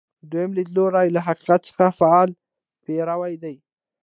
دویم لیدلوری له حقیقت څخه فعاله پیروي ده.